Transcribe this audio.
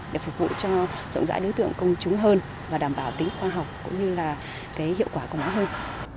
để phục vụ cho rộng rãi đối tượng công chúng hơn và đảm bảo tính khoa học cũng như là cái hiệu quả của nó hơn